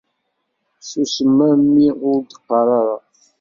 Susem a mmi ur d-qqar ara.